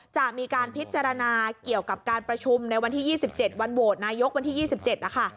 จะมีการพิจารณาเกี่ยวกับการประชุมในวันที่๒๗วันโหวตนายกวันที่๒๗นะคะ